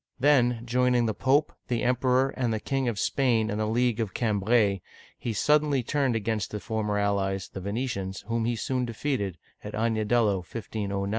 Then, joining the Pope, the Emperor, and the King of Spain in the League of Cambrai (caN bre'), he suddenly turned against the former allies, the Venetians, whom he soon defeated (at Agnadello, 1 509).